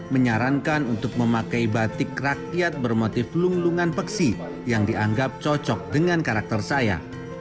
menyarankan untuk memakai batik rakyat bermotif lunglungan peksi yang dianggap cocok dengan karakter saya